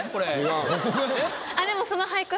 でもその俳句